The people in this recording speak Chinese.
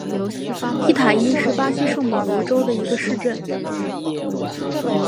伊塔伊是巴西圣保罗州的一个市镇。